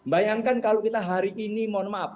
bayangkan kalau kita hari ini mohon maaf